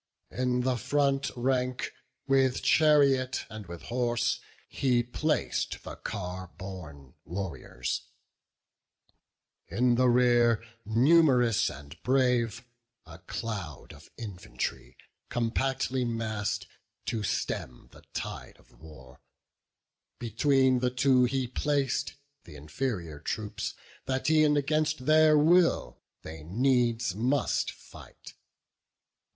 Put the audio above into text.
In the front rank, with chariot and with horse, He plac'd the car borne warriors; in the rear, Num'rous and brave, a cloud of infantry, Compactly mass'd, to stem the tide of war, Between the two he plac'd th' inferior troops, That e'en against their will they needs must fight.